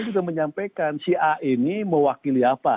juga menyampaikan si a ini mewakili apa